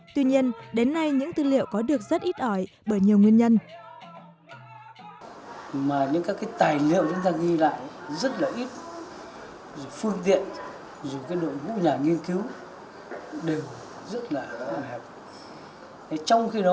bởi nhiều nguyên nhân